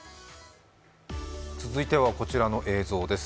続いてはこちらの映像です。